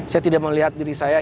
saya tidak melihat diri saya